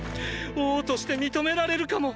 王として認められるかも！